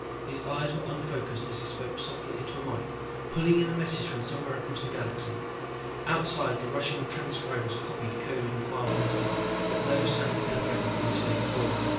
His eyes were unfocused as he spoke softly into a mike, pulling in a message from somewhere across the galaxy. Outside the rushing transcribers copied, coded and filed messages, but no sound penetrated the insulated wall.